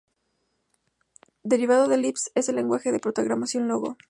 Derivado de Lisp es el lenguaje de programación Logo.